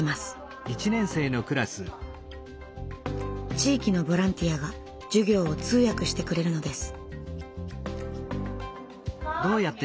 地域のボランティアが授業を通訳してくれるのです。